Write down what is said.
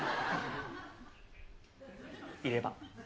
入れ歯。